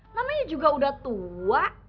namanya juga udah tua